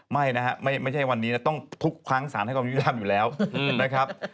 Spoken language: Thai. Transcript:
ไม่นะฮะไม่ใช่วันนี้นะต้องทุกครั้งสารให้ความยุทธรรมอยู่แล้วนะครับ